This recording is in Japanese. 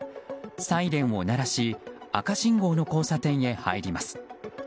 サイレンを鳴らし赤信号の交差点へ入ります。